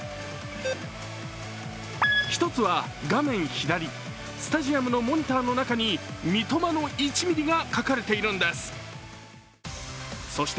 １つは画面左、スタジアムのモニターの中に三笘の１ミリが描かれているんですそして